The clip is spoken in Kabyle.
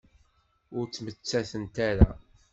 Ur ttmettatent ara.